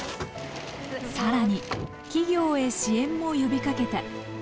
更に企業へ支援も呼びかけた。